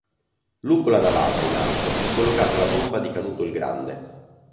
Lungo la navata, in alto, è collocata la tomba di Canuto il Grande.